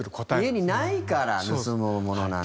家にないから盗むものなんて。